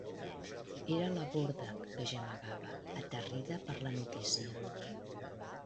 Era la Borda que gemegava, aterrida per la notícia.